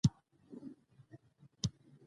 پر سر مو نه راتېريږي او خپلې وزرې پر مونږ نه راخوروي